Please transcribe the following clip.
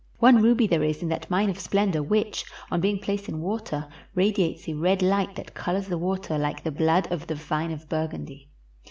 One ruby there is in that mine of splendor which, on being placed in water, radiates a red light that colors the water like the blood of the vine of Burgundy.